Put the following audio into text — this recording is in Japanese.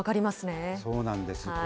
そうなんです。